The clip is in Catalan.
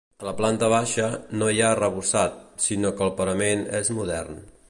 A la planta baixa, no hi ha arrebossat, sinó que el parament és modern.